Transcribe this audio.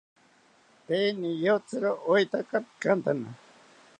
Tee niyotziro oetaka pikantanaka